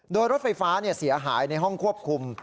โดยรถไฟฟ้าเสียหายในห้องควบคุม